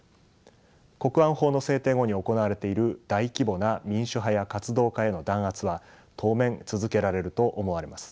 国安法の制定後に行われている大規模な民主派や活動家への弾圧は当面続けられると思われます。